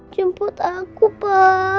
jemput aku pa